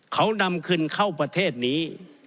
เขานำขึ้นเข้าประเทศนี้